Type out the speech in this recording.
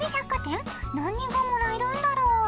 何がもらえるんだろう。